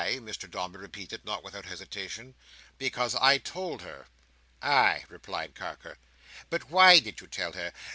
"Why!" Mr Dombey repeated, not without hesitation. "Because I told her." "Ay," replied Carker. "But why did you tell her?